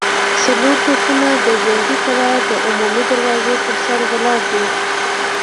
څلور توپونه د جنګي کلا د عمومي دروازې پر سر ولاړ دي.